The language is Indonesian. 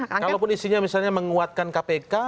kalaupun isinya misalnya menguatkan kpk